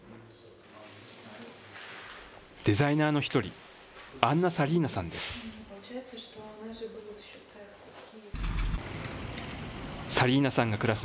デザイナーの１人、アンナ・サリーナさんです。